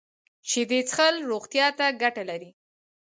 شیدې څښل روغتیا ته ګټه لري